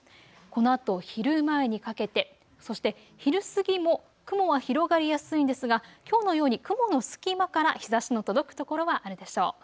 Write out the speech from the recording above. このあと昼前にかけて、そして昼過ぎも雲は広がりやすいんですがきょうのように雲の隙間から日ざしの届くところはあるでしょう。